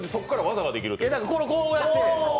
これ、こうやって。